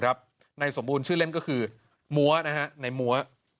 นายสมบูรณ์ชื่อเล่นคือมัว